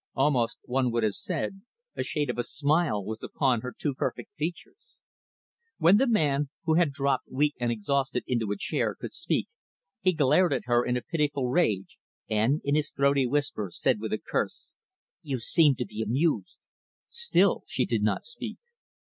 Almost, one would have said, a shade of a smile was upon her too perfect features. When the man who had dropped weak and exhausted into a chair could speak, he glared at her in a pitiful rage, and, in his throaty whisper, said with a curse, "You seem to be amused." Still, she did not speak.